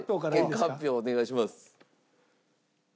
結果発表お願いします。